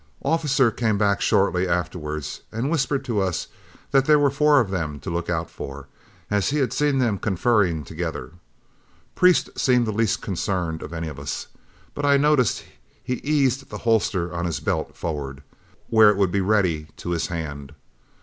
Officer came back shortly afterward, and whispered to us that there were four of them to look out for, as he had seen them conferring together. Priest seemed the least concerned of any of us, but I noticed he eased the holster on his belt forward, where it would be ready to his hand.